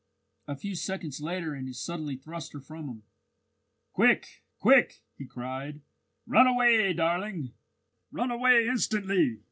A few seconds later and he suddenly thrust her from him. "Quick! quick!" he cried. "Run away, darling! run away instantly.